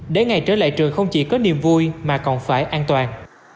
để ngày trở lại trường không chỉ có niềm vui mà còn phải an toàn